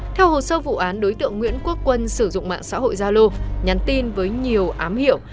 theo hồ sơ vụ án đối tượng nguyễn quốc quân sử dụng mạng xã hội zalo nhắn tin với nhiều ám hiệu